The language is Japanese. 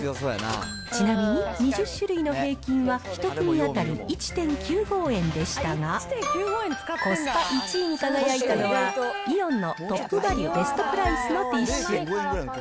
ちなみに２０種類の平均は、１組当たり１．９５円でしたが、コスパ１位に輝いたのは、イオンのトップバリュベストプライスのティッシュ。